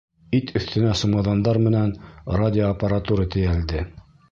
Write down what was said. Ит өҫтөнә сумаҙандар менән радиоаппаратура тейәлде.